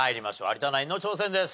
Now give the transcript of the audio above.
有田ナインの挑戦です。